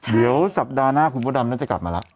เดี๋ยวสัปดาห์หน้าคุณพ่อดำน่าจะกลับมาแล้ว